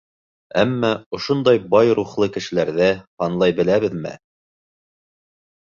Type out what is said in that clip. Әммә ошондай бай рухлы кешеләрҙе һанлай беләбеҙме?